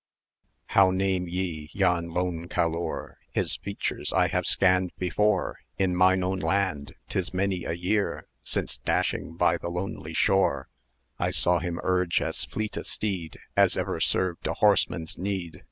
"How name ye yon lone Caloyer? His features I have scanned before In mine own land: 'tis many a year, Since, dashing by the lonely shore, 790 I saw him urge as fleet a steed As ever served a horseman's need.